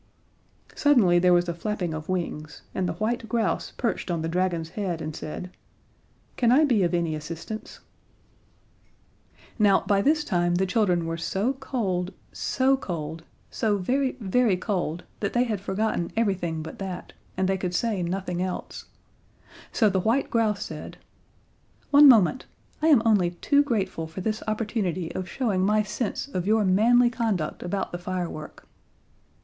Suddenly there was a flapping of wings, and the white grouse perched on the dragon's head and said: "Can I be of any assistance?" [Illustration: "The dwarfs seized the children." See page 72.] Now, by this time the children were so cold, so cold, so very, very cold, that they had forgotten everything but that, and they could say nothing else. So the white grouse said: "One moment. I am only too grateful for this opportunity of showing my sense of your manly conduct about the firework!"